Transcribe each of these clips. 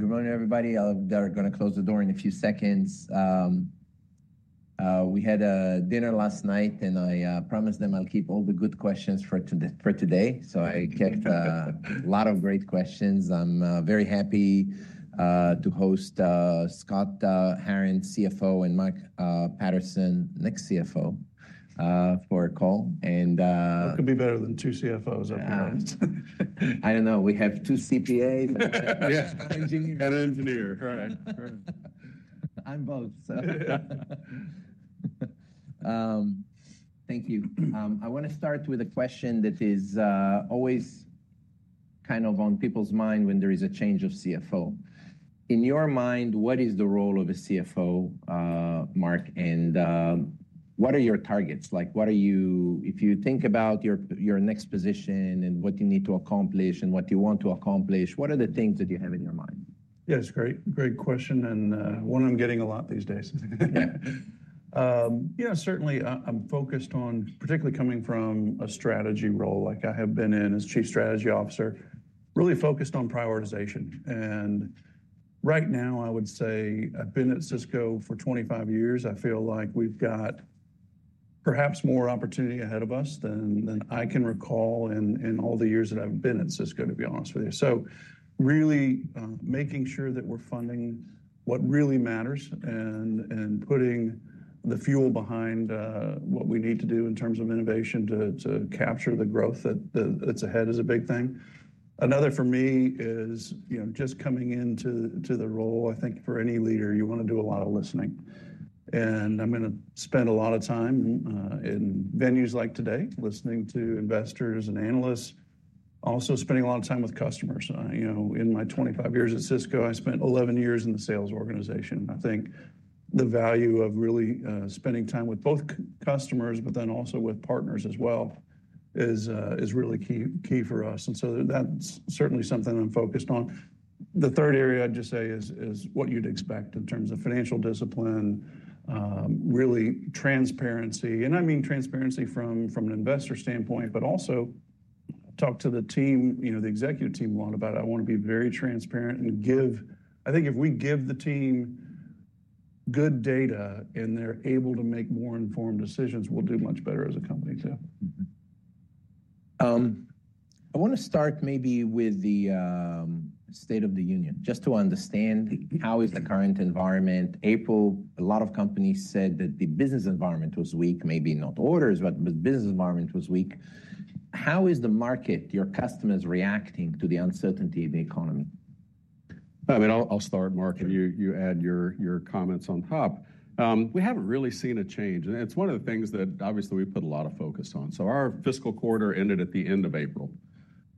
Good morning, everybody. They're going to close the door in a few seconds. We had a dinner last night, and I promised them I'll keep all the good questions for today. I kept a lot of great questions. I'm very happy to host Scott Herren, CFO, and Mark Patterson, next CFO, for a call. What could be better than two CFOs? I don't know. We have two CPAs. Yeah. An engineer. An engineer. Correct. Correct. I'm both. Thank you. I want to start with a question that is always kind of on people's mind when there is a change of CFO. In your mind, what is the role of a CFO, Mark? What are your targets? Like, what are you—if you think about your next position and what you need to accomplish and what you want to accomplish, what are the things that you have in your mind? It's a great, great question. It's one I'm getting a lot these days. Yeah. Certainly, I'm focused on, particularly coming from a strategy role like I have been in as Chief Strategy Officer, really focused on prioritization. Right now, I would say I've been at Cisco for 25 years. I feel like we've got perhaps more opportunity ahead of us than I can recall in all the years that I've been at Cisco, to be honest with you. Really, making sure that we're funding what really matters and putting the fuel behind what we need to do in terms of innovation to capture the growth that's ahead is a big thing. Another for me is just coming into the role, I think for any leader, you want to do a lot of listening. I'm going to spend a lot of time, in venues like today, listening to investors and analysts, also spending a lot of time with customers. In my 25 years at Cisco, I spent 11 years in the sales organization. I think the value of really spending time with both customers, but then also with partners as well is really key for us. That's certainly something I'm focused on. The third area I'd just say is what you'd expect in terms of financial discipline, really transparency. I mean transparency from an investor standpoint, but also talk to the team, the executive team a lot about it. I want to be very transparent and give—I think if we give the team good data and they're able to make more informed decisions, we'll do much better as a company too. I want to start maybe with the "state of the union", just to understand how is the current environment. April, a lot of companies said that the business environment was weak, maybe not orders, but the business environment was weak. How is the market, your customers, reacting to the uncertainty of the economy? I mean, I'll start, Mark. You add your comments on top. We haven't really seen a change. It's one of the things that obviously we put a lot of focus on. Our fiscal quarter ended at the end of April.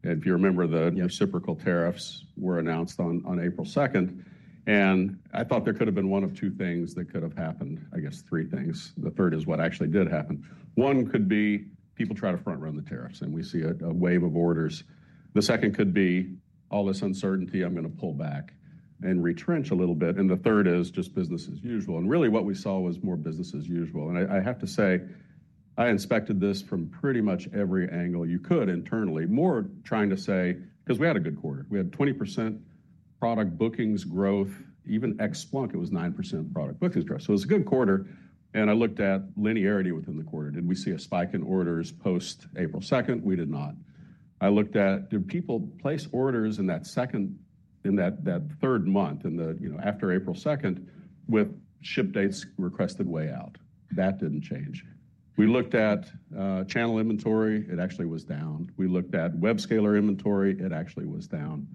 If you remember, the reciprocal tariffs were announced on April 2. I thought there could have been one of two things that could have happened, I guess three things. The third is what actually did happen. One could be people try to front run the tariffs and we see a wave of orders. The second could be, all this uncertainty, I'm going to pull back and retrench a little bit. The third is just business as usual. Really what we saw was more business as usual. I have to say, I inspected this from pretty much every angle you could internally, more trying to say, because we had a good quarter, we had 20% product bookings growth, even ex-Splunk, it was 9% product bookings growth. It was a good quarter. I looked at linearity within the quarter. Did we see a spike in orders post April 2nd? We did not. I looked at, did people place orders in that second, in that third month, after April 2nd with ship dates requested way out? That did not change. We looked at channel inventory. It actually was down. We looked at web scaler inventory. It actually was down.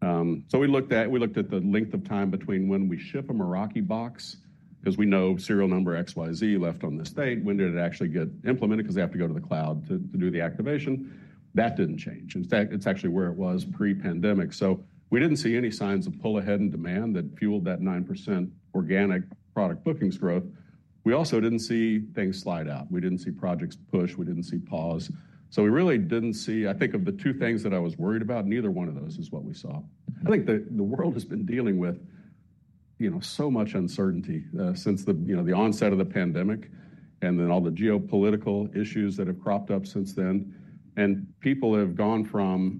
We looked at the length of time between when we ship a Meraki box, because we know serial number XYZ left on the state, when did it actually get implemented? Because they have to go to the cloud to do the activation. That did not change. In fact, it is actually where it was pre-pandemic. We did not see any signs of pull ahead in demand that fueled that 9% organic product bookings growth. We also did not see things slide out. We did not see projects push. We did not see pause. We really did not see, I think of the two things that I was worried about, neither one of those is what we saw. I think the world has been dealing with so much uncertainty, since the the onset of the pandemic and then all the geopolitical issues that have cropped up since then. People have gone from,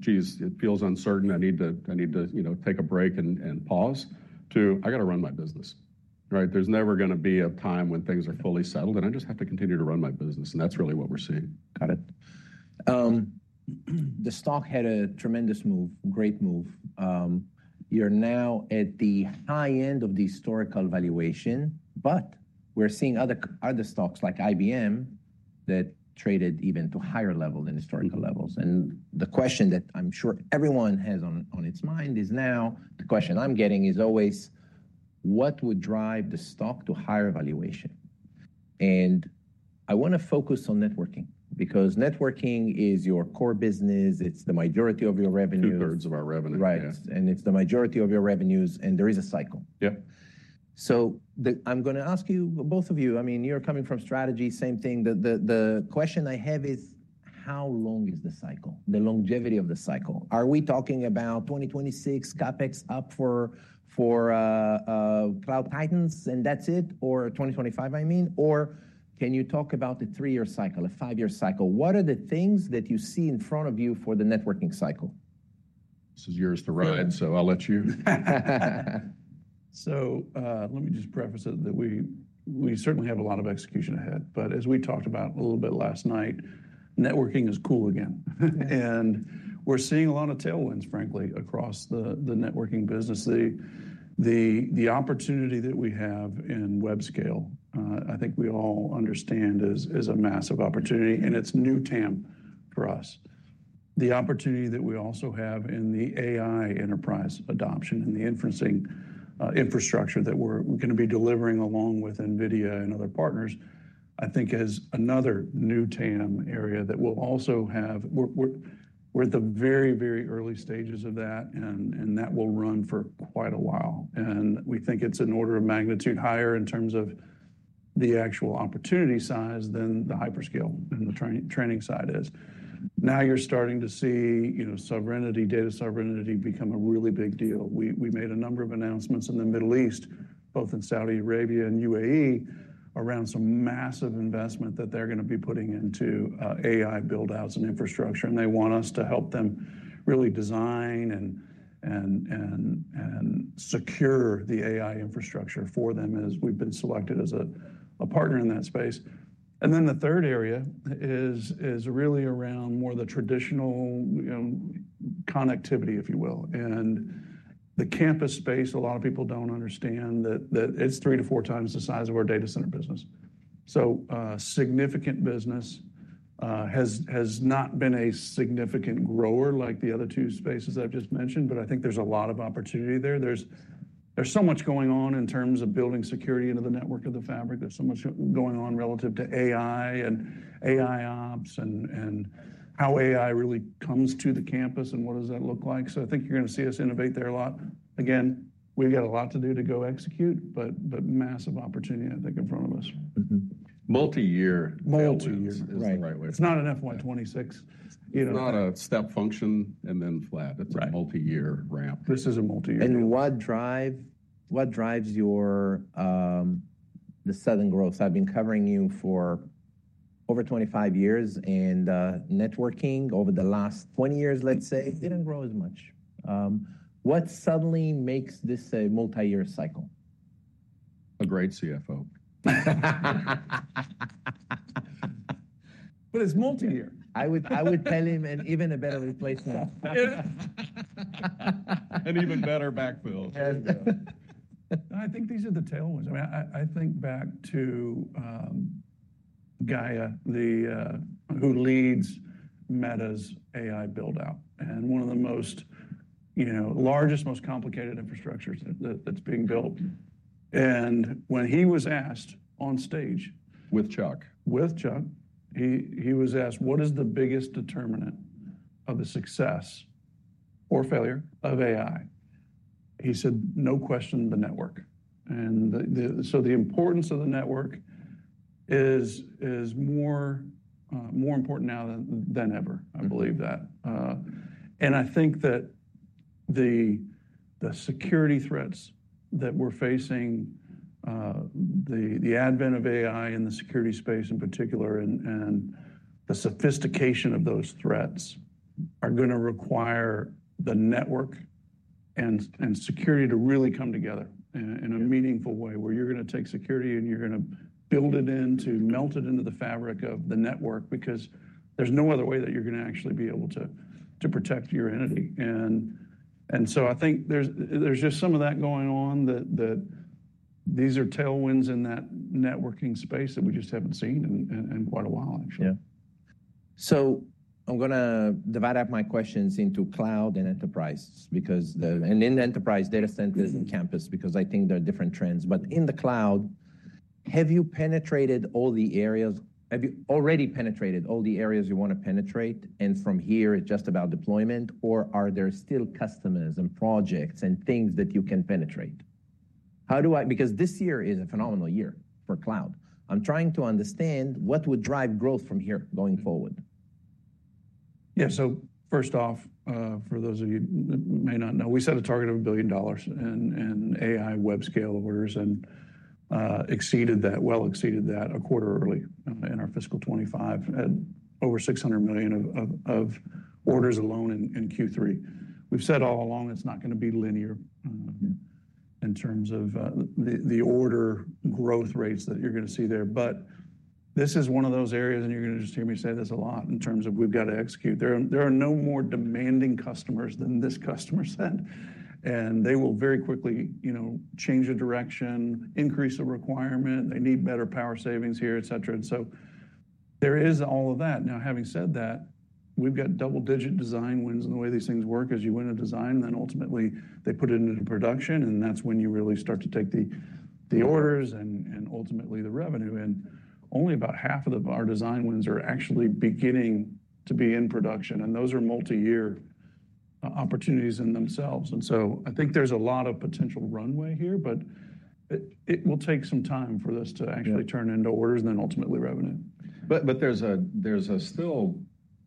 "Geez, it feels uncertain. I need to take a break and pause" to, "I got to run my business." There's never going to be a time when things are fully settled and I just have to continue to run my business. That's really what we're seeing. Got it. The stock had a tremendous move, great move. You're now at the high end of the historical valuation, but we're seeing other stocks like IBM that traded even to higher levels than historical levels. The question that I'm sure everyone has on its mind is now the question I'm getting is always, what would drive the stock to higher valuation? I want to focus on networking because networking is your core business. It's the majority of your revenues. Two-thirds of our revenue. Right. It is the majority of your revenues. There is a cycle. Yeah. I'm going to ask you, both of you, I mean, you're coming from strategy, same thing. The question I have is how long is the cycle, the longevity of the cycle? Are we talking about 2026, CapEx up for, for, Cloud Titans and that's it? Or 2025, I mean? Or can you talk about the three-year cycle, a five-year cycle? What are the things that you see in front of you for the networking cycle? This is yours to ride, so I'll let you. Let me just preface it that we certainly have a lot of execution ahead. As we talked about a little bit last night, networking is cool again. We're seeing a lot of tailwinds, frankly, across the networking business. The opportunity that we have in Webscale, I think we all understand, is a massive opportunity and it's new TAM for us. The opportunity that we also have in the AI enterprise adoption and the inferencing infrastructure that we're going to be delivering along with NVIDIA and other partners, I think, is another new TAM area that we'll also have. We're at the very, very early stages of that and that will run for quite a while. We think it's an order of magnitude higher in terms of the actual opportunity size than the Hyperscale and the training side is. Now you're starting to see data sovereignty become a really big deal. We made a number of announcements in the Middle East, both in Saudi Arabia and UAE, around some massive investment that they're going to be putting into AI buildouts and infrastructure. They want us to help them really design and secure the AI infrastructure for them as we've been selected as a partner in that space. The third area is really around more of the traditional connectivity, if you will. In the campus space, a lot of people don't understand that it's three to four times the size of our data center business. Significant business has not been a significant grower like the other two spaces I've just mentioned, but I think there's a lot of opportunity there. There's so much going on in terms of building security into the network of the fabric. There's so much going on relative to AI and AI ops and how AI really comes to the campus and what does that look like. I think you're going to see us innovate there a lot. Again, we've got a lot to do to go execute, but massive opportunity, I think, in front of us. Multi-year. Multi-year is the right way. It's not an FY26. Not a step function and then flat. It's a multi-year ramp. This is a multi-year ramp. What drives the sudden growth? I've been covering you for over 25 years and, networking over the last 20 years, let's say, it didn't grow as much. What suddenly makes this a multi-year cycle? A great CFO. It is multi-year. I would tell him an even better replacement. An even better backbuild. There you go. I think these are the tailwinds. I mean, I think back to GAIA, who leads Meta's AI buildout and one of the largest, most complicated infrastructures that, that's being built. And when he was asked on stage. With Chuck. With Chuck, he was asked, what is the biggest determinant of the success or failure of AI? He said, no question, the network. The importance of the network is more important now than ever. I believe that. I think that the security threats that we're facing, the advent of AI in the security space in particular, and the sophistication of those threats are going to require the network and security to really come together in a meaningful way where you're going to take security and you're going to build it in to melt it into the fabric of the network because there's no other way that you're going to actually be able to protect your entity. I think there's just some of that going on that these are tailwinds in that networking space that we just haven't seen in quite a while, actually. Yeah. I am going to divide up my questions into cloud and enterprise because in enterprise data centers and campus I think there are different trends. In the cloud, have you penetrated all the areas? Have you already penetrated all the areas you want to penetrate? From here, is it just about deployment? Or are there still customers and projects and things that you can penetrate? How do I, because this year is a phenomenal year for cloud, I am trying to understand what would drive growth from here going forward. First off, for those of you that may not know, we set a target of $1 billion in AI web scale orders and exceeded that, well exceeded that a quarter early, in our fiscal 2025, had over $600 million of orders alone in Q3. We've said all along it's not going to be linear, in terms of the order growth rates that you're going to see there. This is one of those areas, and you're going to just hear me say this a lot in terms of we've got to execute. There are no more demanding customers than this customer set. They will very quickly change the direction, increase the requirement. They need better power savings here, et cetera. There is all of that. Now, having said that, we've got double-digit design wins in the way these things work as you win a design, and then ultimately they put it into production, and that's when you really start to take the orders and ultimately the revenue. Only about half of our design wins are actually beginning to be in production. Those are multi-year opportunities in themselves. I think there's a lot of potential runway here, but it will take some time for this to actually turn into orders and then ultimately revenue. There's a still,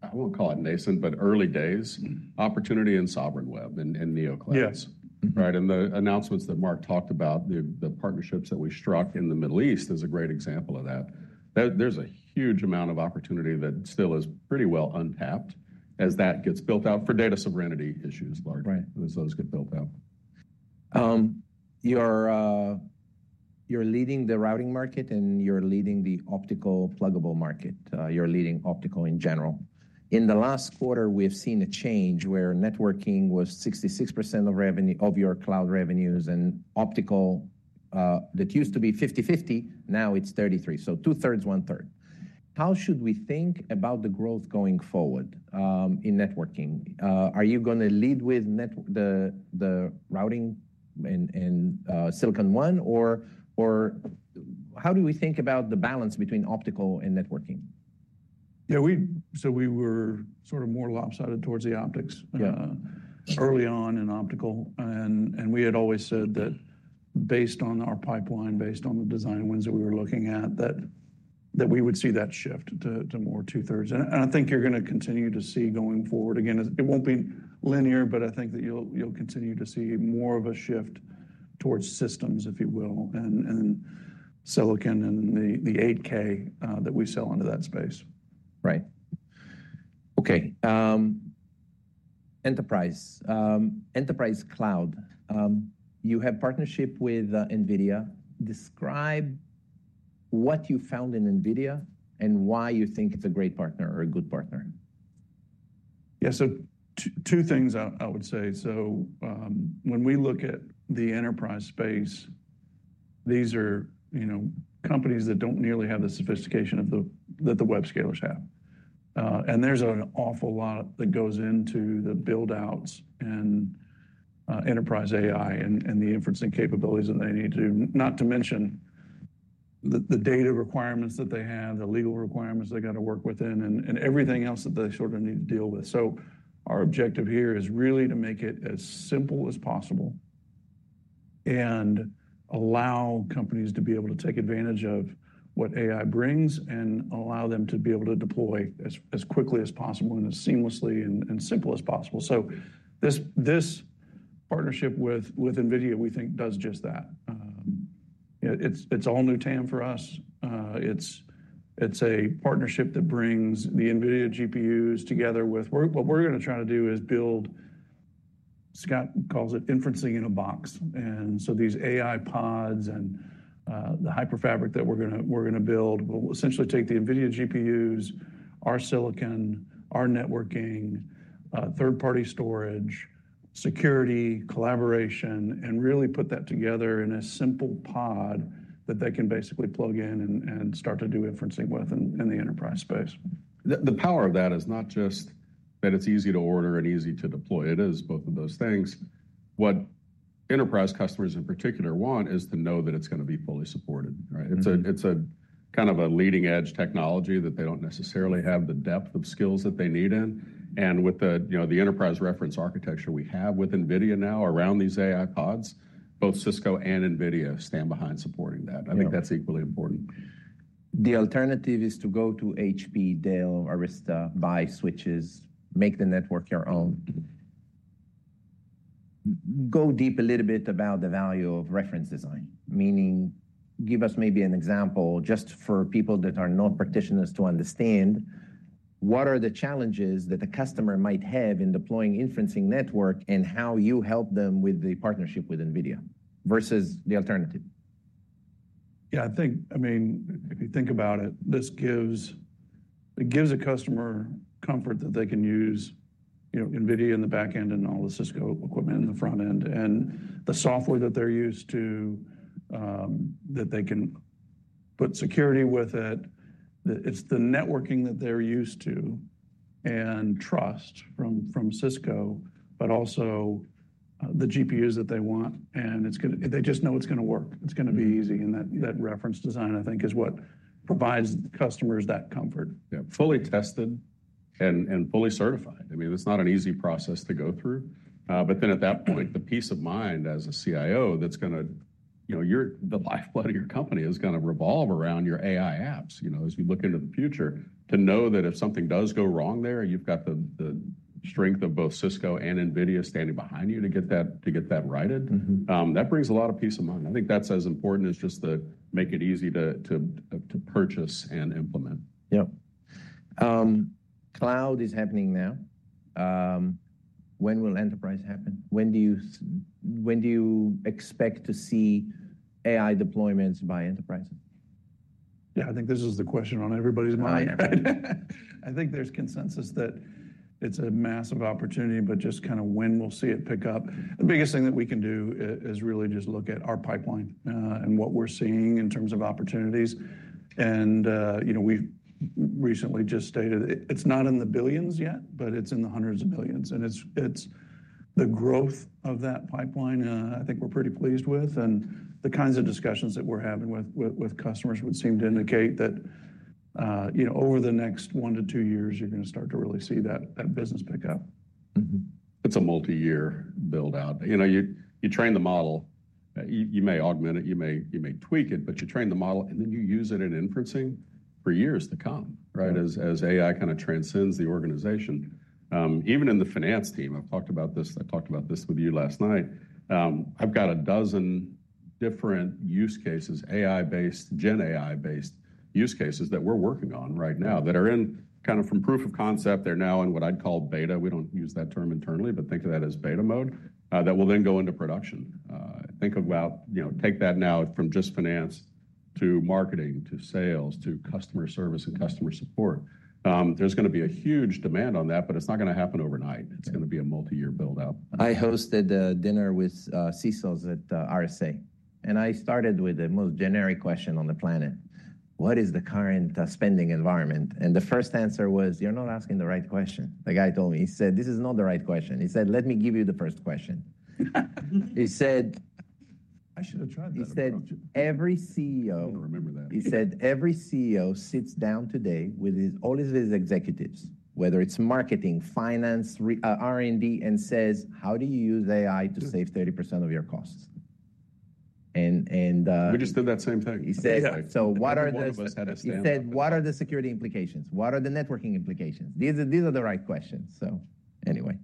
I won't call it nascent, but early days opportunity in Sovereign Web and NeoCloud. Yes. Right. The announcements that Mark talked about, the partnerships that we struck in the Middle East is a great example of that. There's a huge amount of opportunity that still is pretty well untapped as that gets built out for data sovereignty issues largely as those get built out. You're leading the routing market and you're leading the optical pluggable market. You're leading optical in general. In the last quarter, we've seen a change where networking was 66% of your cloud revenues and optical, that used to be 50-50, now it's 33. So two-thirds, one-third. How should we think about the growth going forward, in networking? Are you going to lead with the routing and Silicon One or how do we think about the balance between optical and networking? We were sort of more lopsided towards the optics, early on in optical. We had always said that based on our pipeline, based on the design wins that we were looking at, that we would see that shift to more two-thirds. I think you're going to continue to see going forward. Again, it won't be linear, but I think that you'll continue to see more of a shift towards systems, if you will, and silicon and the 8K that we sell into that space. Right. Enterprise, enterprise cloud, you have partnership with NVIDIA. Describe what you found in NVIDIA and why you think it's a great partner or a good partner. Two things I would say. When we look at the enterprise space, these are companies that do not nearly have the sophistication that the web scalers have. There is an awful lot that goes into the buildouts and enterprise AI and the inferencing capabilities that they need to do, not to mention the data requirements that they have, the legal requirements they have to work within, and everything else that they sort of need to deal with. Our objective here is really to make it as simple as possible and allow companies to be able to take advantage of what AI brings and allow them to be able to deploy as quickly as possible and as seamlessly and simple as possible. This partnership with NVIDIA, we think, does just that. It's all new TAM for us. It's a partnership that brings the NVIDIA GPUs together with, we're, what we're going to try to do is build, Scott calls it inferencing in a box. These AI PODs and the Hyperfabric that we're going to build will essentially take the NVIDIA GPUs, our silicon, our networking, third-party storage, security, collaboration, and really put that together in a simple pod that they can basically plug in and start to do inferencing with in the enterprise space. The power of that is not just that it's easy to order and easy to deploy. It is both of those things. What enterprise customers in particular want is to know that it's going to be fully supported. Right. It's a kind of a leading-edge technology that they don't necessarily have the depth of skills that they need in. And with the enterprise reference architecture we have with NVIDIA now around these AI PODs, both Cisco and NVIDIA stand behind supporting that. I think that's equally important. The alternative is to go to HP, Dell, Arista, buy switches, make the network your own. Go deep a little bit about the value of reference design, meaning, give us maybe an example just for people that are not practitioners to understand what are the challenges that the customer might have in deploying inferencing network and how you help them with the partnership with NVIDIA versus the alternative. I think if you think about it, this gives, it gives a customer comfort that they can use NVIDIA in the backend and all the Cisco equipment in the front end and the software that they're used to, that they can put security with it. It's the networking that they're used to and trust from Cisco, but also the GPUs that they want. It's going to, they just know it's going to work. It's going to be easy. That reference design, I think, is what provides customers that comfort. Fully tested and fully certified. I mean, it's not an easy process to go through. But then at that point, the peace of mind as a CIO that's going to, the lifeblood of your company is going to revolve around your AI apps as you look into the future to know that if something does go wrong there, you've got the strength of both Cisco and NVIDIA standing behind you to get that righted. That brings a lot of peace of mind. I think that's as important as just the make it easy to purchase and implement. Cloud is happening now. When will enterprise happen? When do you expect to see AI deployments by enterprises? I think this is the question on everybody's mind. I think there's consensus that it's a massive opportunity, but just kind of when we'll see it pick up. The biggest thing that we can do is really just look at our pipeline, and what we're seeing in terms of opportunities. We recently just stated it's not in the billions yet, but it's in the hundreds of millions. It's the growth of that pipeline I think we're pretty pleased with. The kinds of discussions that we're having with customers would seem to indicate that over the next one to two years, you're going to start to really see that business pick up. It's a multi-year buildout. You train the model, you may augment it, you may tweak it, but you train the model and then you use it in inferencing for years to come as AI kind of transcends the organization. Even in the finance team, I've talked about this. I talked about this with you last night. I've got a dozen different use cases, AI-based, Gen AI-based use cases that we're working on right now that are in kind of from proof of concept. They're now in what I'd call beta. We don't use that term internally, but think of that as beta mode, that will then go into production. Think about take that now from just finance to marketing to sales to customer service and customer support. There's going to be a huge demand on that, but it's not going to happen overnight. It's going to be a multi-year buildout. I hosted a dinner with [Sisols] at RSA, and I started with the most generic question on the planet. What is the current spending environment? The first answer was, "You're not asking the right question." The guy told me, he said, "This is not the right question." He said, "Let me give you the first question." He said. I should have tried that. He said, "Every CEO." I should remember that. He said, "Every CEO sits down today with all his executives, whether it's marketing, finance, R&D, and says, how do you use AI to save 30% of your costs?" We just did that same thing. He said, "What are the security implications? What are the networking implications? These are, these are the right questions." Anyway,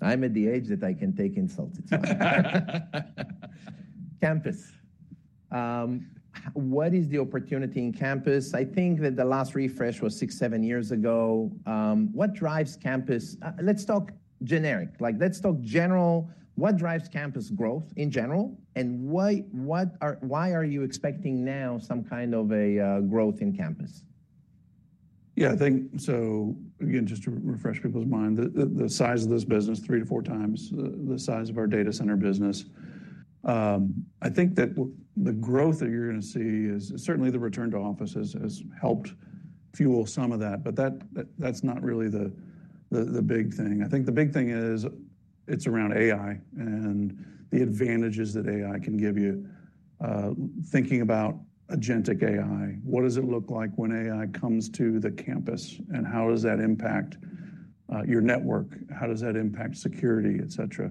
I'm at the age that I can take insulted. Campus. What is the opportunity in campus? I think that the last refresh was six, seven years ago. What drives campus? Let's talk generic, like let's talk general. What drives campus growth in general? And why are you expecting now some kind of a, growth in campus? Just to refresh people's mind, the size of this business, three to four times the size of our data center business. I think that the growth that you're going to see is certainly the return to offices has helped fuel some of that, but that's not really the big thing. I think the big thing is it's around AI and the advantages that AI can give you, thinking about agentic AI, what does it look like when AI comes to the campus and how does that impact your network? How does that impact security, et cetera?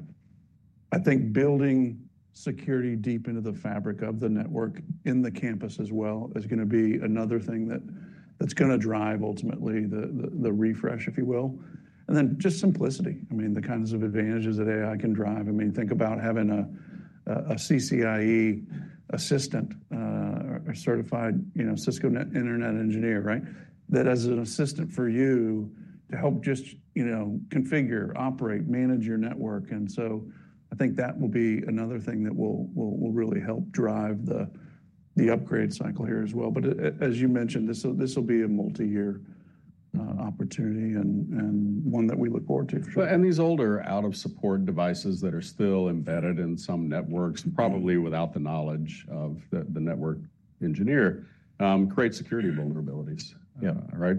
I think building security deep into the fabric of the network in the campus as well is going to be another thing that is going to drive ultimately the refresh, if you will. And then just simplicity. I mean, the kinds of advantages that AI can drive. I mean, think about having a CCIE assistant, or Certified Cisco Internet Engineer, right? That as an assistant for you to help just configure, operate, manage your network. I think that will be another thing that will really help drive the upgrade cycle here as well. As you mentioned, this will be a multi-year opportunity and one that we look forward to. These older out-of-support devices that are still embedded in some networks and probably without the knowledge of the network engineer create security vulnerabilities. Right.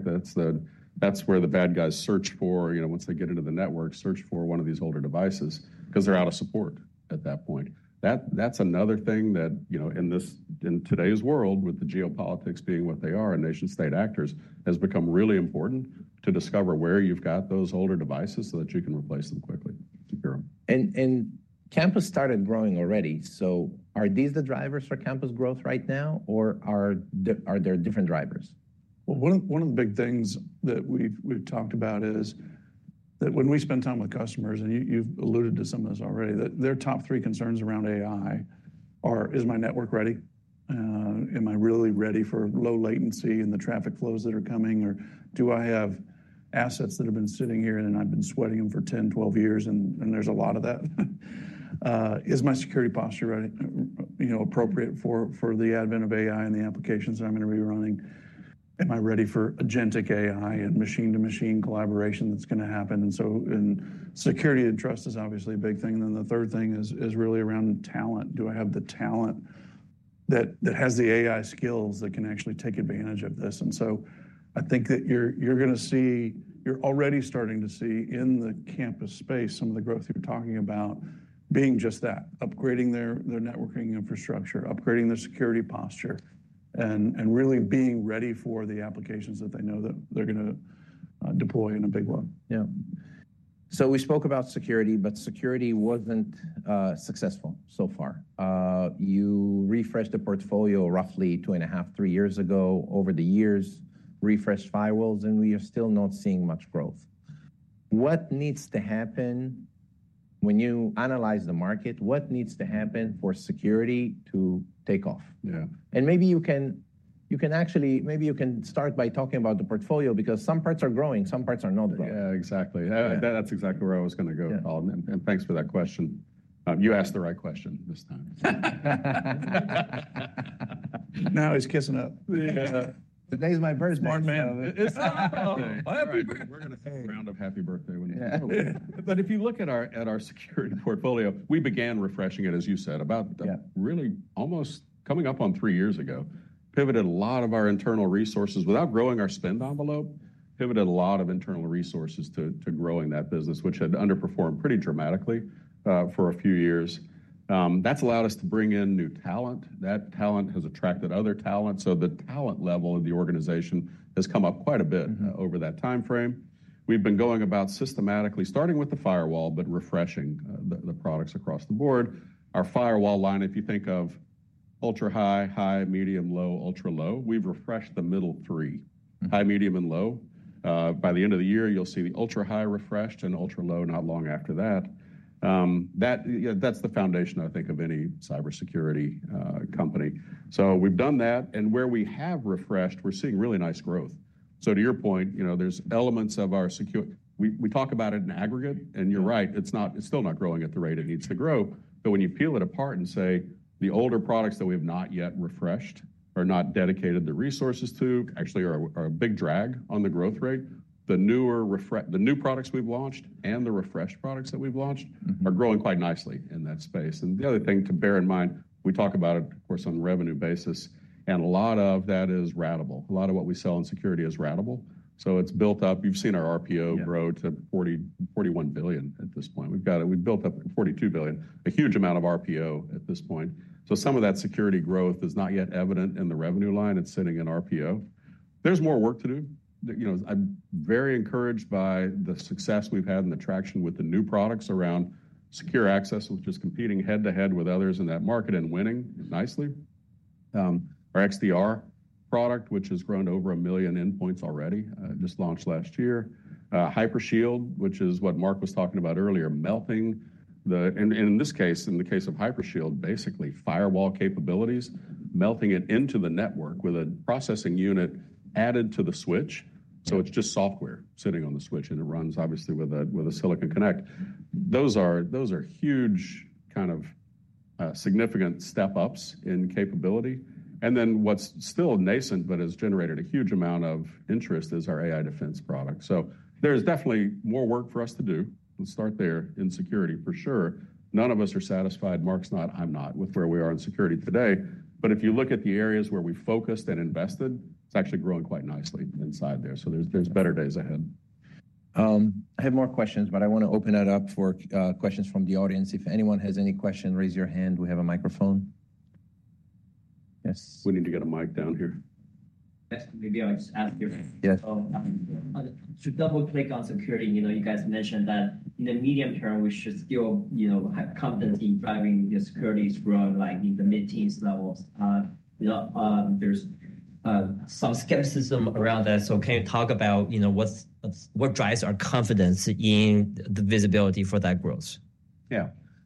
That's where the bad guys search for once they get into the network, search for one of these older devices because they're out-of-support at that point. That is another thing that in today's world, with the geopolitics being what they are, nation-state actors has become really important to discover where you've got those older devices so that you can replace them quickly. Campus started growing already. Are these the drivers for campus growth right now or are there different drivers? One of the big things that we've talked about is that when we spend time with customers, and you've alluded to some of this already, their top three concerns around AI are, is my network ready? Am I really ready for low latency and the traffic flows that are coming? Or do I have assets that have been sitting here and I've been sweating them for 10, 12 years, and there's a lot of that? Is my security posture ready appropriate for the advent of AI and the applications that I'm going to be running? Am I ready for agentic AI and machine-to-machine collaboration that's going to happen? Security and trust is obviously a big thing. The third thing is really around talent. Do I have the talent that has the AI skills that can actually take advantage of this? I think that you're already starting to see in the campus space, some of the growth you're talking about being just that, upgrading their networking infrastructure, upgrading their security posture, and really being ready for the applications that they know that they're going to deploy in a big way. We spoke about security, but security was not successful so far. You refreshed the portfolio roughly two and a half, three years ago. Over the years, refreshed firewalls, and we are still not seeing much growth. When you analyze the market, what needs to happen for security to take off? Yeah. Maybe you can actually, maybe you can start by talking about the portfolio because some parts are growing, some parts are not growing. Yeah, exactly. That's exactly where I was going to go, Tal. Thanks for that question. You asked the right question this time. Now he's kissing up. Today's my birthday. We're going to have a round of happy birthday winners. If you look at our security portfolio, we began refreshing it, as you said, about really almost coming up on three years ago, pivoted a lot of our internal resources without growing our spend envelope, pivoted a lot of internal resources to growing that business, which had underperformed pretty dramatically for a few years. That's allowed us to bring in new talent. That talent has attracted other talent. So the talent level of the organization has come up quite a bit over that timeframe. We've been going about systematically starting with the firewall, but refreshing the products across the board. Our firewall line, if you think of ultra-high, high, medium, low, ultra-low, we've refreshed the middle three, high, medium, and low. By the end of the year, you'll see the ultra-high refreshed and ultra-low not long after that. That's the foundation, I think, of any cybersecurity company. We've done that. Where we have refreshed, we're seeing really nice growth. To your point, there's elements of our secure, we talk about it in aggregate and you're right, it's not, it's still not growing at the rate it needs to grow. When you peel it apart and say the older products that we have not yet refreshed or not dedicated the resources to actually are a big drag on the growth rate, the newer refresh, the new products we've launched and the refreshed products that we've launched are growing quite nicely in that space. The other thing to bear in mind, we talk about it, of course, on a revenue basis and a lot of that is ratable. A lot of what we sell in security is ratable. It's built up. You've seen our RPO grow to $40 billion-$41 billion at this point. We've got it. We've built up $42 billion, a huge amount of RPO at this point. Some of that security growth is not yet evident in the revenue line. It's sitting in RPO. There's more work to do. I'm very encouraged by the success we've had and the traction with the new products around Secure Access, which is competing head to head with others in that market and winning nicely. Our XDR product, which has grown over a million endpoints already, just launched last year. HyperShield, which is what Mark was talking about earlier, melting the, and in this case, in the case of HyperShield, basically firewall capabilities, melting it into the network with a processing unit added to the switch. It is just software sitting on the switch and it runs obviously with a silicon connect. Those are huge, significant step ups in capability. What is still nascent, but has generated a huge amount of interest, is our AI defense product. There is definitely more work for us to do. Let's start there in security for sure. None of us are satisfied. Mark is not, I am not with where we are in security today. If you look at the areas where we focused and invested, it is actually growing quite nicely inside there. There are better days ahead. I have more questions, but I want to open that up for questions from the audience. If anyone has any questions, raise your hand. We have a microphone. Yes. We need to get a mic down here. Yes. Maybe I'll just ask you. Yes. To double click on security, you guys mentioned that in the medium term, we should still have confidence in driving the security growth, like in the mid-teens levels. There's some skepticism around that. Can you talk about what drives our confidence in the visibility for that growth?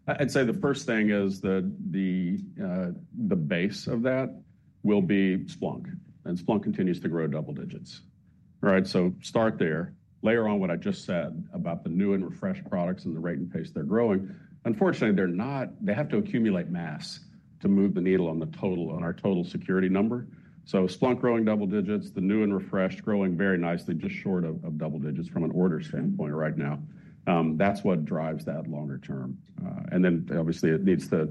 I'd say the first thing is that the base of that will be Splunk and Splunk continues to grow double digits. All right. Start there. Layer on what I just said about the new and refreshed products and the rate and pace they're growing. Unfortunately, they have to accumulate mass to move the needle on the total, on our total security number. Splunk growing double digits, the new and refreshed growing very nicely, just short of double digits from an order standpoint right now. That's what drives that longer term. Obviously, it needs to,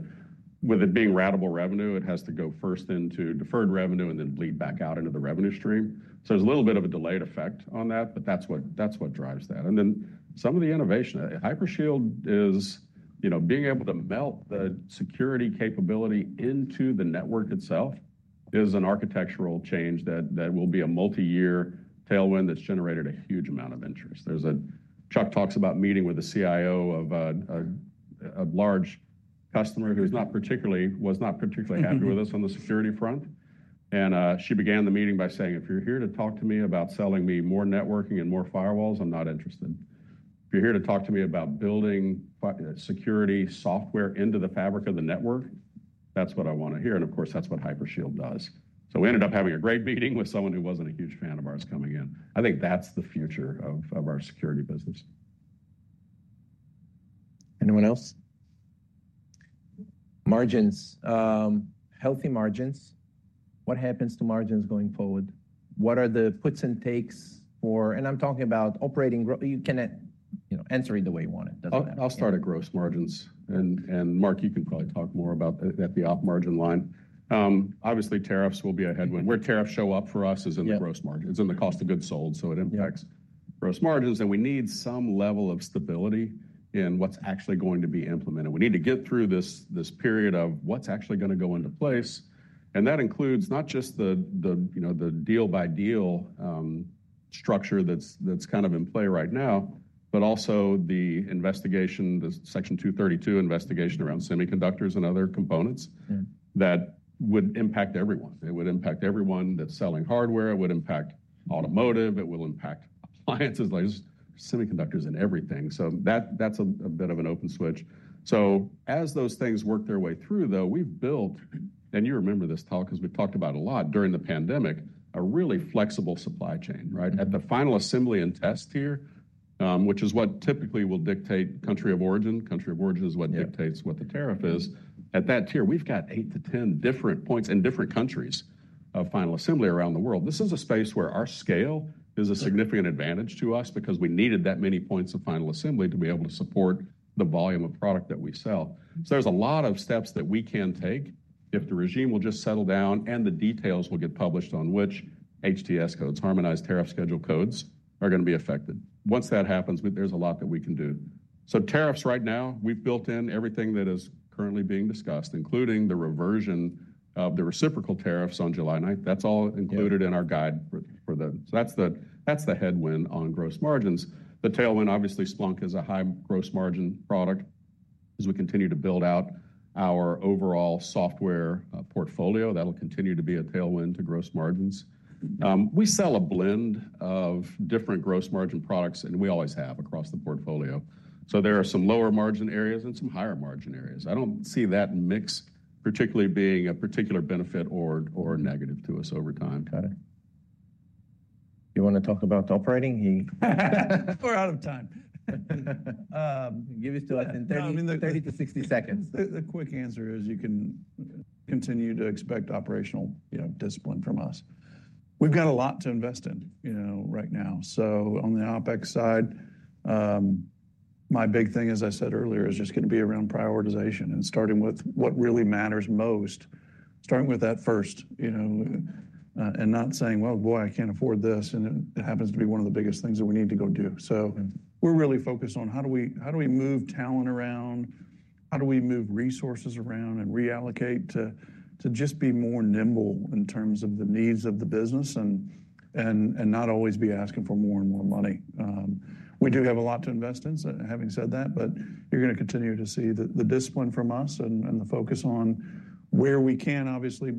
with it being ratable revenue, it has to go first into deferred revenue and then bleed back out into the revenue stream. There's a little bit of a delayed effect on that, but that's what drives that. Some of the innovation, HyperShield is, being able to melt the security capability into the network itself is an architectural change that will be a multi-year tailwind that's generated a huge amount of interest. Chuck talks about meeting with the CIO of a large customer who was not particularly happy with us on the security front. She began the meeting by saying, "If you're here to talk to me about selling me more networking and more firewalls, I'm not interested. If you're here to talk to me about building security software into the fabric of the network, that's what I want to hear." Of course, that's what HyperShield does. We ended up having a great meeting with someone who wasn't a huge fan of ours coming in. I think that's the future of our security business. Anyone else? Margins, healthy margins. What happens to margins going forward? What are the puts and takes for, and I'm talking about operating growth, you can answer it the way you want it. I'll start at gross margins and, Mark, you can probably talk more about that, the op margin line. Obviously tariffs will be a headwind. Where tariffs show up for us is in the gross margins. It's in the cost of goods sold. It impacts gross margins and we need some level of stability in what's actually going to be implemented. We need to get through this period of what's actually going to go into place. That includes not just the the deal-by-deal structure that's kind of in play right now, but also the Section-232 investigation around semiconductors and other components that would impact everyone. It would impact everyone that's selling hardware. It would impact automotive. It will impact appliances, like semiconductors and everything. That's a bit of an open switch. As those things work their way through though, we've built, and you remember this talk because we've talked about it a lot during the pandemic, a really flexible supply chain. At the final assembly and test tier, which is what typically will dictate country of origin, country of origin is what dictates what the tariff is. At that tier, we've got eight to 10 different points in different countries of final assembly around the world. This is a space where our scale is a significant advantage to us because we needed that many points of final assembly to be able to support the volume of product that we sell. There are a lot of steps that we can take if the regime will just settle down and the details will get published on which HTS codes, harmonized tariff schedule codes, are going to be affected. Once that happens, there's a lot that we can do. Tariffs right now, we've built in everything that is currently being discussed, including the reversion of the reciprocal tariffs on July 9th. That's all included in our guide. That's the headwind on gross margins. The tailwind, obviously Splunk is a high gross margin product as we continue to build out our overall software portfolio. That'll continue to be a tailwind to gross margins. We sell a blend of different gross margin products and we always have across the portfolio. There are some lower margin areas and some higher margin areas. I don't see that mix particularly being a particular benefit or negative to us over time. Got it. You want to talk about operating? He. We're out of time. Give us, I think, 30 to 60 seconds. The quick answer is you can continue to expect operational discipline from us. We've got a lot to invest in right now. On the OpEx side, my big thing, as I said earlier, is just going to be around prioritization and starting with what really matters most, starting with that first and not saying, "Boy, I can't afford this," and it happens to be one of the biggest things that we need to go do. We are really focused on how do we move talent around, how do we move resources around and reallocate to just be more nimble in terms of the needs of the business and not always be asking for more and more money. We do have a lot to invest in. Having said that, you're going to continue to see the discipline from us and the focus on where we can, obviously,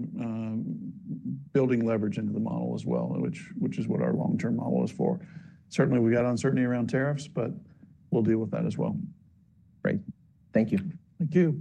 building leverage into the model as well, which is what our long-term model is for. Certainly we've got uncertainty around tariffs, but we'll deal with that as well. Great. Thank you. Thank you.